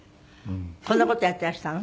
こんな事やってらしたの？